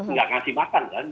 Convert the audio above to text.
nggak ngasih makan kan